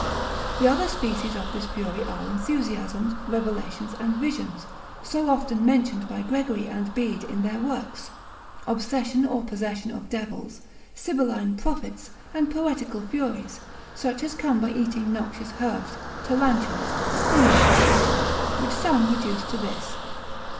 The other species of this fury are enthusiasms, revelations, and visions, so often mentioned by Gregory and Bede in their works; obsession or possession of devils, sibylline prophets, and poetical furies; such as come by eating noxious herbs, tarantulas stinging, &c., which some reduce to this.